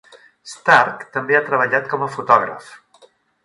Stark també ha treballat com a fotògraf.